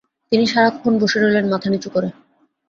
তিনি সারাক্ষণ বসে রইলেন মাথা নিচু করে।